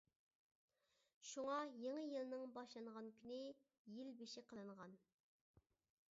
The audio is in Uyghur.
شۇڭا يېڭى يىلنىڭ باشلانغان كۈنى يىل بېشى قىلىنغان.